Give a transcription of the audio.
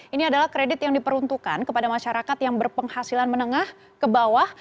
ini adalah kredit yang diperuntukkan kepada masyarakat yang berpenghasilan menengah ke bawah